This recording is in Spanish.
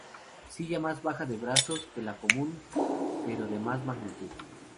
Silla más baja de brazos que la común; pero de más magnitud.